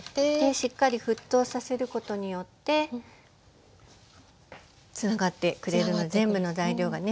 しっかり沸騰させることによってつながってくれる全部の材料がね